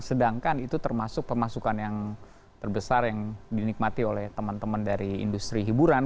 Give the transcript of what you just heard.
sedangkan itu termasuk pemasukan yang terbesar yang dinikmati oleh teman teman dari industri hiburan